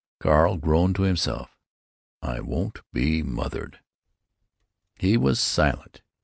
Carl groaned to himself, "I won't be mothered!" He was silent.